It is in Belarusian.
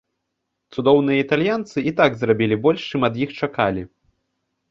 Цудоўныя італьянцы і так зрабілі больш, чым ад іх чакалі.